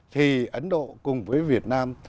thì ấn độ cùng với việt nam